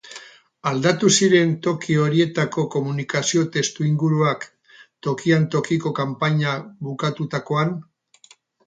Aldatu ziren toki horietako komunikazio testuinguruak, tokian tokiko kanpainak bukatutakoan?